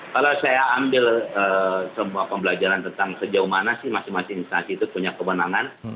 kalau saya ambil semua pembelajaran tentang sejauh mana sih masing masing instansi itu punya kewenangan